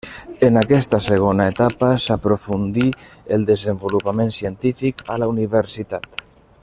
En aquesta segona etapa s'aprofundí el desenvolupament científic a la Universitat.